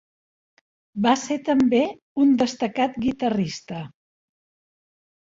Va ser també un destacat guitarrista.